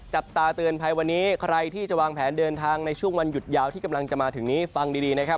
จับตาเตือนภัยวันนี้ใครที่จะวางแผนเดินทางในช่วงวันหยุดยาวที่กำลังจะมาถึงนี้ฟังดีนะครับ